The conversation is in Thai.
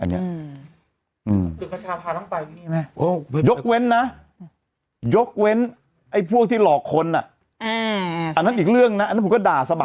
อันนี้ไหมยกเว้นนะยกเว้นไอ้พวกที่หลอกคนอันนั้นอีกเรื่องนะอันนั้นผมก็ด่าสบาย